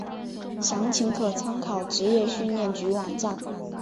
详情可参考职业训练局网站。